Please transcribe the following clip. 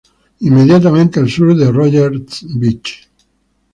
Inmediatamente al sur de Rodgers Beach.